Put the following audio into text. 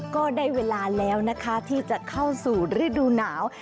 ก็ได้เวลาแล้วนะคะที่จะเข้าสู่ฤดูหนาว